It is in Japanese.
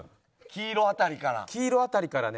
黄色辺りからね。